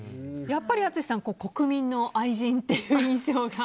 やっぱり淳さん国民の愛人という印象が。